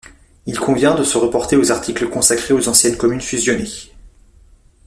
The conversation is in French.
Il convient de se reporter aux articles consacrés aux anciennes communes fusionnées.